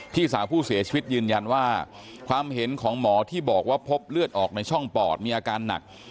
พี่สาวผู้เสียชีวิตยืนยันว่าความเห็นของหมอที่บอกว่าพบเลือดออกในช่องปอดมีอาการหนัก